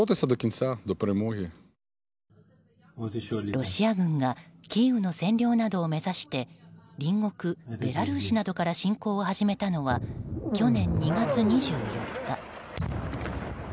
ロシア軍がキーウの占領などを目指して隣国ベラルーシなどから侵攻を始めたのは去年２月２４日。